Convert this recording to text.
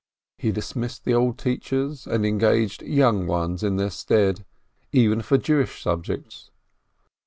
He dismissed the old teachers, and engaged young ones in their stead, even for Jewish subjects.